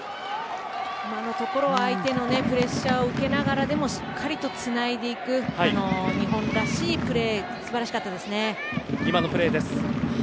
今のところは、相手のプレッシャーを受けながらでもしっかりとつないでいく日本らしいプレー素晴らしかったですね。